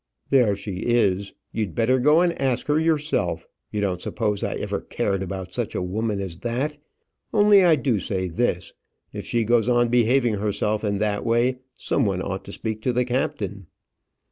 "There she is. You'd better go and ask her yourself. You don't suppose I ever cared about such a woman as that? Only I do say this: if she goes on behaving herself in that way, some one ought to speak to the captain."